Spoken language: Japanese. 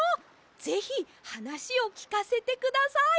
ぜひはなしをきかせてください！